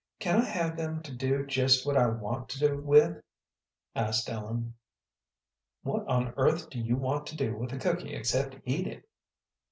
"Can I have them to do just what I want to with?" asked Ellen. "What on earth do you want to do with a cooky except eat it?"